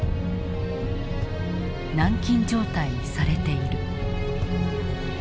「軟禁状態にされている」。